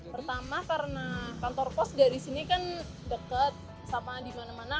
pertama karena kantor pos dari sini kan deket sama dimana mana